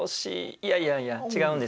いやいやいや違うんですね。